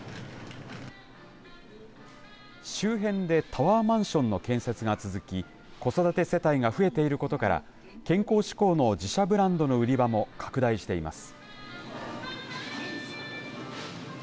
周辺でタワーマンションの建設が続き子育て世帯が増えていることから健康志向の自社ブランドの売り場も拡大しています。